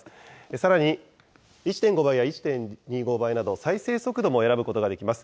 さらに１．５倍や１．２５倍など、再生速度も選ぶことができます。